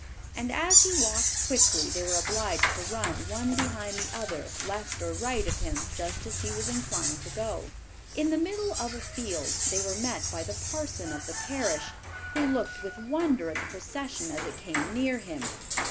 And as he walked quickly, they were obliged to run one behind the other, left or right of him, just as he was inclined to go. In the middle of a field they were met by the parson of the parish, who looked with wonder at the procession as it came near him.